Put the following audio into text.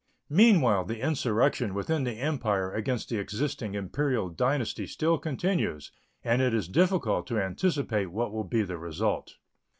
Meanwhile the insurrection within the Empire against the existing imperial dynasty still continues, and it is difficult to anticipate what will be the result.